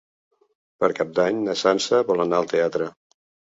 Per Cap d'Any na Sança vol anar al teatre.